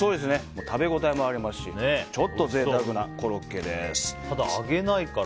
食べ応えもありますしちょっと贅沢なコロッケです。